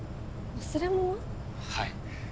はい。